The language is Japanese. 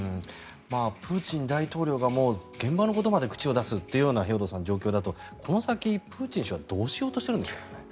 プーチン大統領が現場のことまで口を出すような状況だとこの先、プーチン氏はどうしようとしているんでしょうかね。